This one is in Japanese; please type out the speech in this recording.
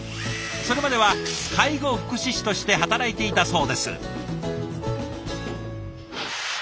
それまでは介護福祉士として働いていたそうです。